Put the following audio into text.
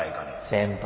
先輩。